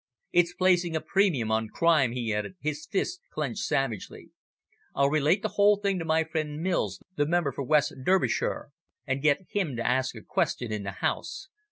It's placing a premium on crime," he added, his fist clenched savagely. "I'll relate the whole thing to my friend Mills, the Member for West Derbyshire, and get him to ask a question in the House.